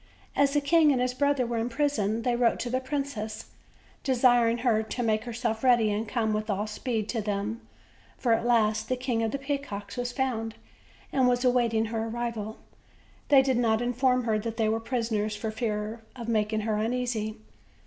As the king and his brother were in prison, they wrote to the princess, desir ing her to make herself ready and come with all speed to them, for at last the King of the Peacocks was found, and was awaiting her arrival. They did not inform her that they were prisoners for fear of making her uneasy.